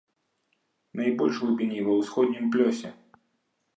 Найбольшыя глыбіні ва ўсходнім плёсе.